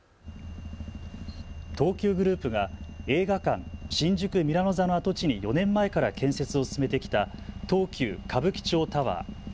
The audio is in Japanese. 東急グループが映画館、新宿ミラノ座の跡地に４年前から建設を進めてきた東急歌舞伎町タワー。